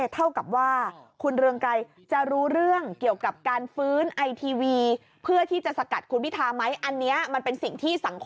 เท่ากับว่าคุณเรืองไกรจะรู้เรื่องเกี่ยวกับการฟื้นไอทีวี